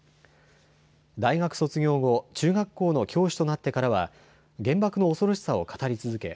大学卒業後、中学校の教師となってからは原爆の恐ろしさを語り続け